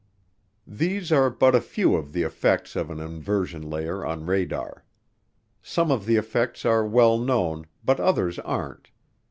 These are but a few of the effects of an inversion layer on radar. Some of the effects are well known, but others aren't.